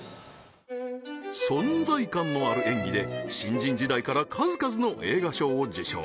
存在感のある演技で新人時代から数々の映画賞を受賞